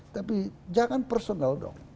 tapi jangan personal dong